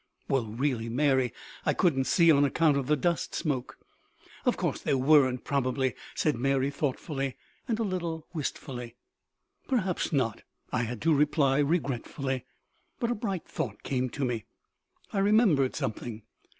"Well, really, Mary, I couldn't see on account of the dust smoke." "Of course there weren't, probably," said Mary thoughtfully and a little wistfully. "Probably not," I had to reply regretfully. But a bright thought came to me. I remembered something.